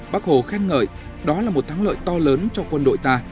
bác hồ khen ngợi đó là một thắng lợi to lớn cho quân đội ta